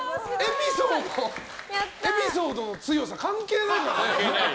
エピソードの強さ関係ないね。